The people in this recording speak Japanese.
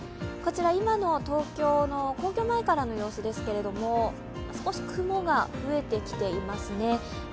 今の東京の皇居前からの様子ですけれども、少し雲が増えてきていますね。